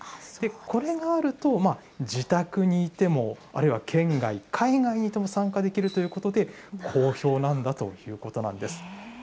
これがあると、自宅にいても、あるいは県外、海外にいても参加できるということで、好評なんだということなんです。